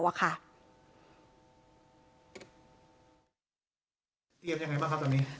เตรียมอย่างไรบ้างครับตอนนี้